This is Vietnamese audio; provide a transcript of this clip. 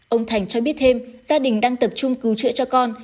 ông thành cho biết thêm gia đình đang tập trung cứu chữa cho con